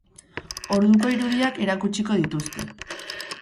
Orduko irudiak erakutsiko dituzte.